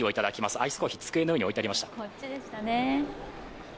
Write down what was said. アイスコーヒー、机の上に置いてありました。